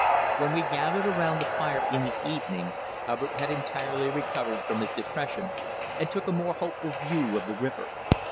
When we gathered around the fire in the evening Hubbard had entirely recovered from his depression and took a more hopeful view of the river.